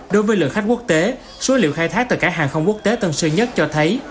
đối với lượng khách quốc tế số liệu khai thác tại cảng hàng không quốc tế tân sơn nhất cho thấy